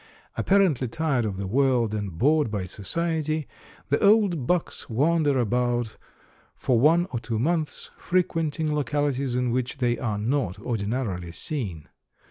Apparently tired of the world and bored by society the old bucks wander about for one or two months, frequenting localities in which they are not ordinarily seen.